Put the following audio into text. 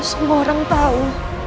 jika semua orang tahu